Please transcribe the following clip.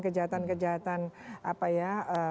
kejahatan kejahatan apa ya